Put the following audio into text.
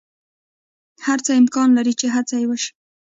هر څه امکان لری چی هڅه یی وشی